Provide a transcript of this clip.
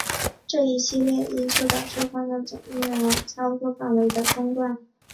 这一系列因素导致了扩大到整个互联网范围操作的中断。